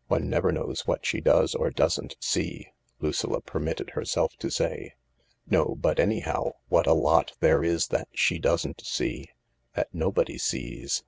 " One never knows what she does or doesn't see," Lucilla permitted herself to say. "No, but anyhow, what a lot there is that she doesn't see — that nobody sees.